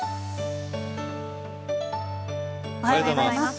おはようございます。